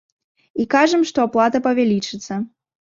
І кажам, што аплата павялічыцца.